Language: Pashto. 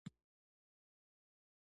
علم ورسره زیاتېږي.